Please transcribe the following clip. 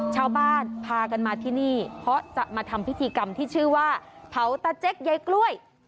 ชาวบ้านพากันมาที่นี่เพราะจะมาทำพิธีกรรมที่ชื่อว่าเผาตาเจ๊กยายกล้วย